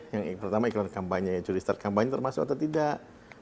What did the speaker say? yang pertama iklan kampanye curi start kampanye termasuk atau tidak